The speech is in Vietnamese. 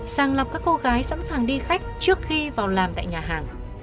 sàng lọc các cô gái sẵn sàng đi khách trước khi vào làm tại nhà hàng